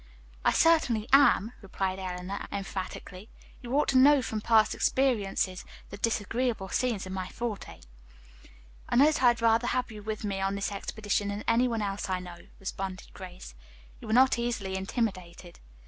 "I certainly am," replied Eleanor emphatically. "You ought to know from past experiences that disagreeable scenes are my forte." "I know that I'd rather have you with me on this expedition than any one else I know," responded Grace. "You are not easily intimidated."